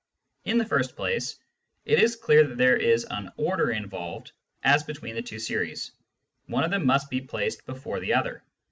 In the first place, it is clear that there is an order involved as between the two series : one of them must be placed before the other.